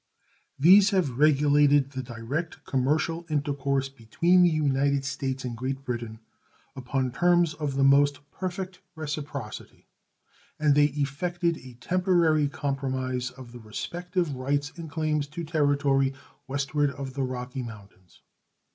These have regulated the direct commercial intercourse between the United States and Great Britain upon terms of the most perfect reciprocity; and they effected a temporary compromise of the respective rights and claims to territory westward of the Rocky Mountains.